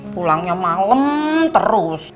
pulangnya malem terus